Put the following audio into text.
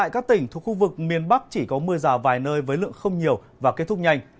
các tỉnh thuộc khu vực miền bắc chỉ có mưa rào vài nơi với lượng không nhiều và kết thúc nhanh